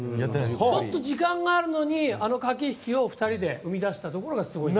ちょっと時間があるのにあの駆け引きを２人で生み出したところがすごい。